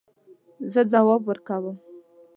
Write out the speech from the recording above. زه ځواب ورکوم